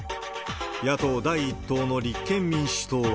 野党第１党の立憲民主党は。